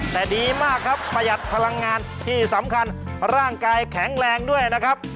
แต่ดีมากครับประหยัดพลังงานที่สำคัญร่างกายแข็งแรงด้วยนะครับ